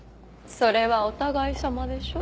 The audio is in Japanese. それはお互いさまでしょ